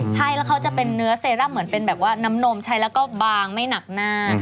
ใช่แล้วเขาจะเป็นเนื้อเซรั่มเหมือนเป็นแบบว่าน้ำนมใช้แล้วก็บางไม่หนักหน้า